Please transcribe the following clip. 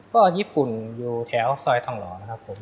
ก็ญี่ปุ่นอยู่แถวซอยทองหล่อนะครับผม